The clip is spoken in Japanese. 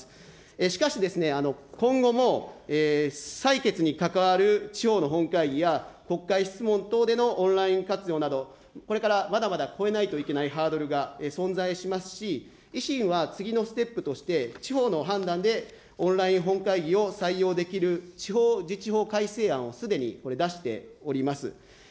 しかしですね、今後も採決に関わる地方の本会議や、国会質問等でのオンライン活用など、これからまだまだ超えないといけないハードルが存在しますし、維新は次のステップとして、地方の判断でオンライン本会議を採用できる地方自治法改正案を、すでに出しております。